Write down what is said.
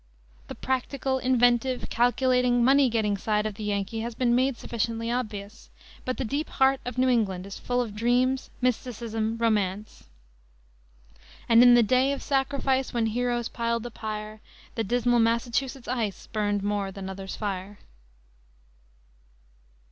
The practical, inventive, calculating, money getting side of the Yankee has been made sufficiently obvious. But the deep heart of New England is full of dreams, mysticism, romance: "And in the day of sacrifice, When heroes piled the pyre, The dismal Massachusetts ice Burned more than others' fire."